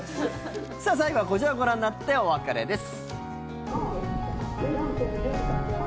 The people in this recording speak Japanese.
最後はこちらをご覧になってお別れです。